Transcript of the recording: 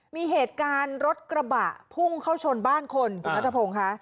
มีเหตุการณ์รถกระบะพุ่งเข้าชนบ้านคนคุณนัทพงศ์ค่ะ